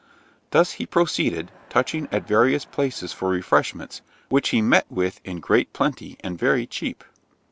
Thus he proceeded, touching at various places for refreshments, which he met with in great plenty and very cheap.